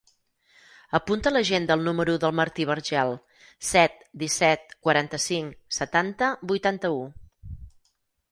Apunta a l'agenda el número del Martí Vergel: set, disset, quaranta-cinc, setanta, vuitanta-u.